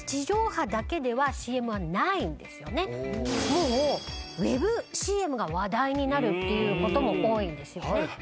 もうＷｅｂＣＭが話題になるっていうことも多いんですよね。